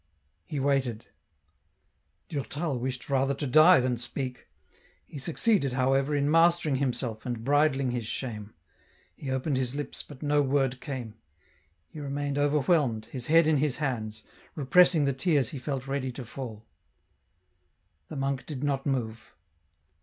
He waited. Durtal wished rather to die than speak ; he succeeded, however, in mastering himself, and bridling his shame ; he opened his lips, but no word came ; he remained over whelmed, his head in his hands, repressing the tears he felt ready to fall. The monk did not move.